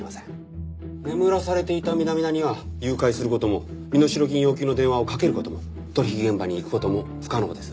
眠らされていた南田には誘拐する事も身代金要求の電話をかける事も取引現場に行く事も不可能です。